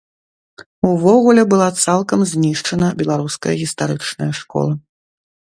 Увогуле, была цалкам знішчана беларуская гістарычная школа.